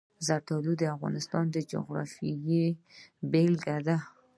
زردالو د افغانستان د جغرافیې بېلګه ده.